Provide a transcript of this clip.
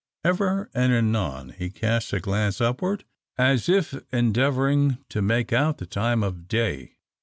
Ever and anon he casts a glance upward, as if endeavouring to make out the time of day.